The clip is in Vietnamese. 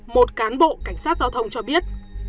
một cán bộ cảnh sát giao thông cho biết